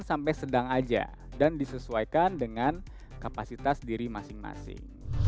sampai sedang aja dan disesuaikan dengan kapasitas diri masing masing